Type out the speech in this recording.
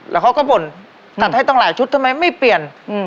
แล้วเขาก็บ่นจัดให้ตั้งหลายชุดทำไมไม่เปลี่ยน